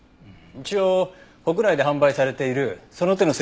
一応国内で販売されているその手の製品で。